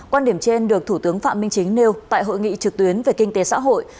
quan điểm trên được thủ tướng phạm minh chính nêu tại hội nghị trực tuyến về kinh tế xã hội